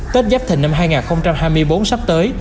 tết dắp thành năm hai nghìn hai mươi bốn sắp tới